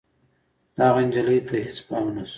د هغه نجلۍ ته هېڅ پام نه شو.